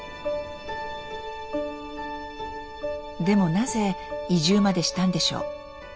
でもなぜ移住までしたんでしょう？